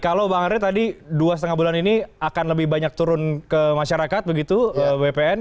kalau bang andre tadi dua lima bulan ini akan lebih banyak turun ke masyarakat begitu bpn